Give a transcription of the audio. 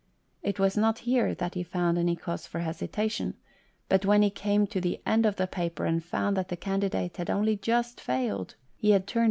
It was not here that he found any cause for hesitation, but when he came to the end of the paper and found that the candidate had only just failed, he had turned 95 (JHOST TALES.